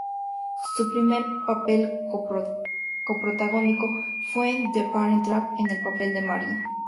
Su primer papel co-protagónico fue en "The Parent Trap", en papel de Martin.